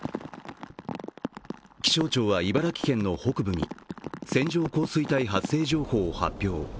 気象庁は、茨城県の北部に線状降水帯発生情報を発表。